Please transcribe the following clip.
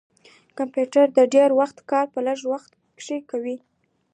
کمپیوټر د ډير وخت کار په لږ وخت کښې کوي